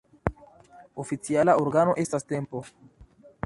Oficiala organo estas Tempo.